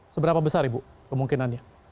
seberapa besar ibu kemungkinannya